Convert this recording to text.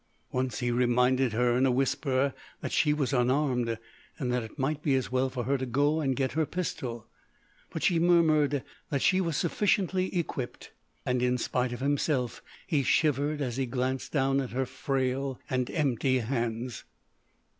Once he reminded her in a whisper that she was unarmed and that it might be as well for her to go and get her pistol. But she murmured that she was sufficiently equipped; and, in spite of himself, he shivered as he glanced down at her frail and empty hands.